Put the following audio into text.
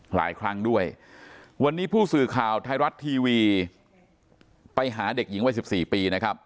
หลายครั้งด้วยวันนี้ผู้สื่อข่าวไทยรัฐทีวีไปหาเด็กหญิงวัย๑๔ปีนะครับ